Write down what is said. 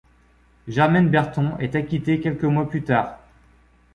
Germaine Berton est acquittée quelques mois plus tard.